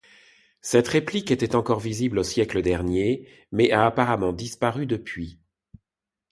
Cette relique était encore visible au siècle dernier, mais a apparemment disparu depuis.